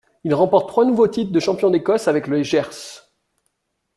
Il remporte trois nouveaux titres de champion d'Écosse avec les Gers.